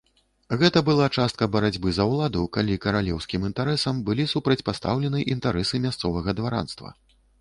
Гэта была частка барацьбы за ўладу, калі каралеўскім інтарэсам былі супрацьпастаўлены інтарэсы мясцовага дваранства.